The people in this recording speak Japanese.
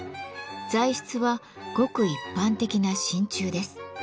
材質はごく一般的な真鍮です。